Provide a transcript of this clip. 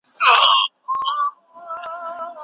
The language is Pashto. د ارغنداب سیند اوبه د حاصلاتو د زیاتوالي سبب سوي دي.